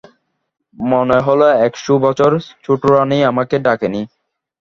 মনে হল এক-শো বছর ছোটোরানী আমাকে ডাকে নি।